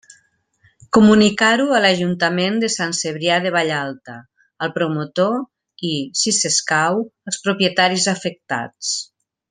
Comunicar-ho a l'Ajuntament de Sant Cebrià de Vallalta, al promotor i, si escau, als propietaris afectats.